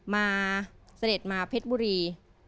เสด็จมาเพชรบุรี